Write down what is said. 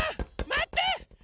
まって！